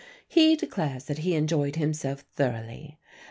He declares that he enjoyed himself thoroughly.